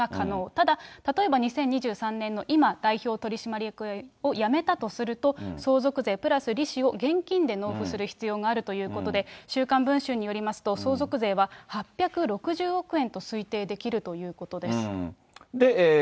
ただ、例えば２０２３年の今、代表取締役をやめたとすると、相続税プラス利子を現金で納付する必要があるということで、週刊文春によりますと、相続税は８６０億円と推定できるということです。